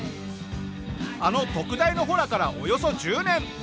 あの特大のホラからおよそ１０年。